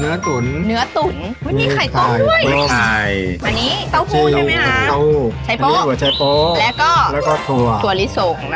เนื้อตุ๋นมีไข่ต้มด้วยอันนี้เต้าหูใช่ไหมอ่ะไข่โป้งแล้วก็ถั่วลิสง